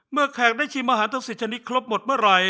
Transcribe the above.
แขกได้ชิมอาหารทั้ง๑๐ชนิดครบหมดเมื่อไหร่